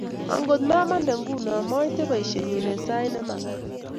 Angot mamande nguno, maite boishenyu eng sait ne makaat